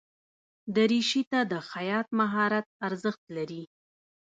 دریشي ته د خیاط مهارت ارزښت لري.